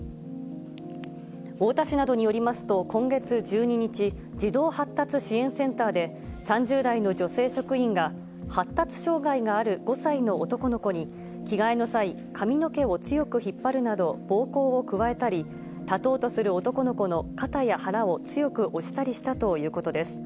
太田市などによりますと、今月１２日、児童発達支援センターで、３０代の女性職員が、発達障害がある５歳の男の子に、着替えの際、髪の毛を強く引っ張るなど、暴行を加えたり、立とうとする男の子の肩や腹を強く押したりしたということです。